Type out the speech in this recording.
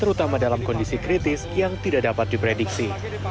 terutama dalam kondisi kritis yang tidak dapat diprediksi